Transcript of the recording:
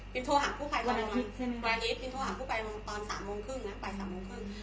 บิ๊มโทรหาผู้ภายตอนอย่างนั้นไปเหลฟบิ๊มโทรหาผู้ภายตอน๘๓๐นะ๗๓๐